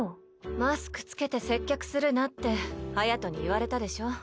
マスク着けて接客するなって隼に言われたでしょ。